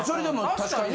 確かにね。